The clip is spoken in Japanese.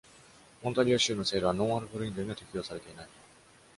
オンタリオ州の制度はノンアルコール飲料には適用されていない。